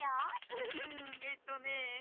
フフフえっとね。